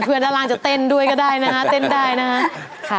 เพื่อนด้านล่างจะเต้นด้วยก็ได้นะครับเต้นได้นะครับ